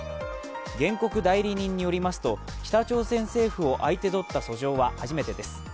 原告代理人によりますと北朝鮮政府を相手取った訴状は初めてです。